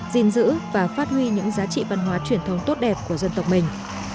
gìn giữ và phát huy những giá trị văn hóa truyền thống tốt đẹp của dân tộc mình